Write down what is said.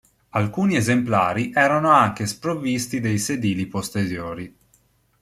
Alcuni esemplari erano anche sprovvisti dei sedili posteriori.